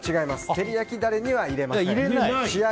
照り焼きダレには入れません。